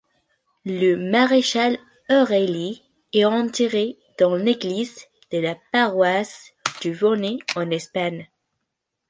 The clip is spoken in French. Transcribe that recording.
Le maréchal O'Reilly est enterré dans l'église de la paroisse de Bonete en Espagne.